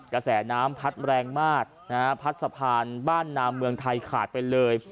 กระแสน้ำพัดแรงมากนะฮะพัดสะพานบ้านนามเมืองไทยขาดไปเลย